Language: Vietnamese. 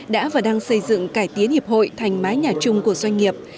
đã và đang xây dựng cải tiến hiệp hội thành mái nhà chung của doanh nghiệp